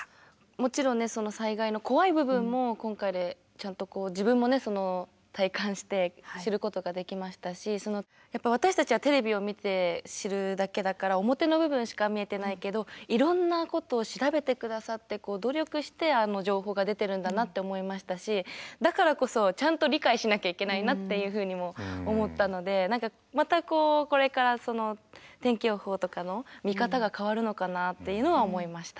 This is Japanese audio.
もちろん災害の怖い部分も今回でちゃんと自分も体感して知ることができましたしやっぱ私たちはテレビを見て知るだけだから表の部分しか見えてないけどいろんなことを調べて下さって努力してあの情報が出てるんだなって思いましたしだからこそちゃんと理解しなきゃいけないなっていうふうにも思ったのでまたこれから天気予報とかの見方が変わるのかなっていうのは思いました。